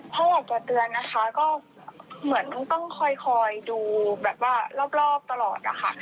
ออกมาเตือนนะคะก็เหมือนต้องคอยดูแบบว่ารอบตลอดอะค่ะ